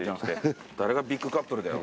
誰がビッグカップルだよ。